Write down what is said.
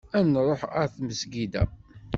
Ad nruḥ ɣer tmezgida.